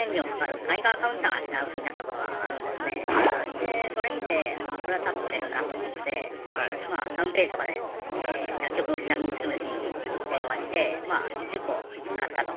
でそれ見てあこれは多分売れるなと思ってまあタウンページとかで薬局をしらみつぶしに電話してまあ１０個買ったと。